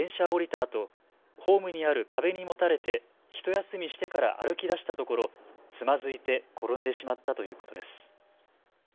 あとホームにある壁にもたれてひと休みしてから歩きだしたところ、つまずいて転んでしまったということです。